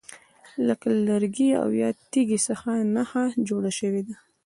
لکه له لرګي او یا تیږي څخه نښه جوړه شوې ده.